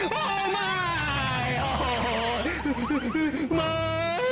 โอ้โหมายยมายยย